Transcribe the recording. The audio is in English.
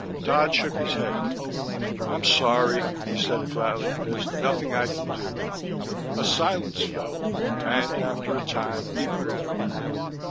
Dodd shook his head. "I'm sorry," he said flatly. "There's nothing I can do." A silence fell and, after a time, he broke it.